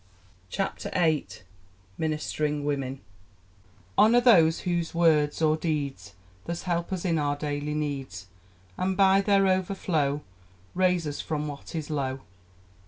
CHAPTER VIII: Ministering Women Honour to those whose words or deeds Thus help us in our daily needs; And by their overflow Raise us from what is low!